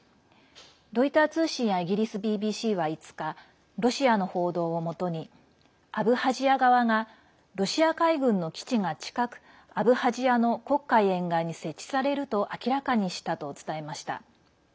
ロイター通信やイギリスＢＢＣは５日、ロシアの報道をもとにアブハジア側がロシア海軍の基地が近くアブハジアの黒海沿岸に設置されると明らかにしたと伝えました。